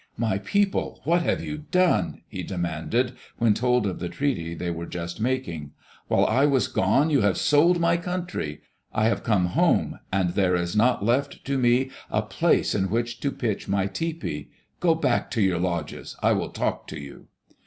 " My people, what have you done ?" he demanded, when told of the treaty they were just making. "While I was gone, you have sold my country! I have come home and there is not left to me a place in which to pitch my tepee. Go back to your lodges I I will talk to you."